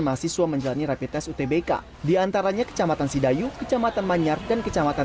mahasiswa menjalani rapi tes utbk diantaranya kecamatan hidayu kecamatan manyar dan kecamatan